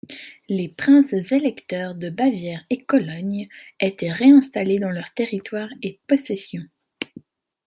Les princes électeurs de Bavière et Cologne étaient réinstallés dans leurs territoires et possessions.